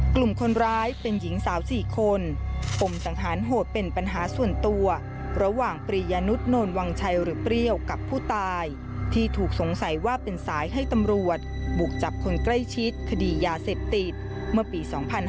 กลุ่มคนร้ายเป็นหญิงสาว๔คนปมสังหารโหดเป็นปัญหาส่วนตัวระหว่างปริยนุษย์โนนวังชัยหรือเปรี้ยวกับผู้ตายที่ถูกสงสัยว่าเป็นสายให้ตำรวจบุกจับคนใกล้ชิดคดียาเสพติดเมื่อปี๒๕๕๙